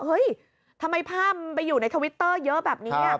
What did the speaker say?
เฮ้ยทำไมภาพมันไปอยู่ในทวิตเตอร์เยอะแบบนี้